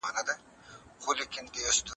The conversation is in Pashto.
زده کوونکي تر اوسه هڅه کړې ده.